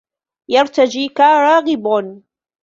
يَرْتَجِيكَ رَاغِبٌ